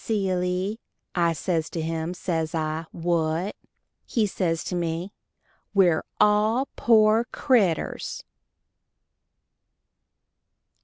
"Silly." I says to him, says I, "What?" He says to me, "_We're all poor critters!